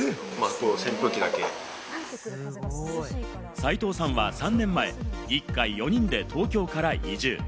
齋藤さんは３年前、一家４人で東京から移住。